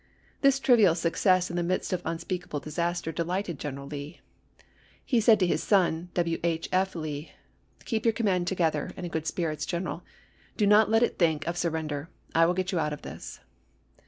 This trivial success in the midst of unspeakable disaster delighted General Lee. He said to his son, W. H. F. Lee, " Keep your command together and in good spirits, General ; do not let it think of sur " Life of ' i T n n i • R. E.Lee," render. I will get you out of this."